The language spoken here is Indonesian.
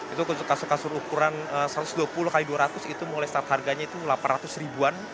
itu untuk kasur kasur ukuran satu ratus dua puluh x dua ratus itu mulai start harganya itu delapan ratus ribuan